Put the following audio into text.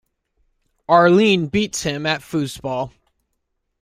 Arlene beats him at foosball.